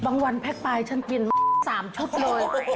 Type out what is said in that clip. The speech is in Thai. บั้งวันแพ็กปลายฉันกินบื้น๓ชุดเลย